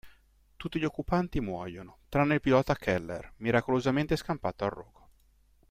Tutti gli occupanti muoiono, tranne il pilota Keller, miracolosamente scampato al rogo.